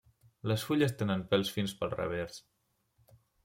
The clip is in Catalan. Les fulles tenen pèls fins pel revers.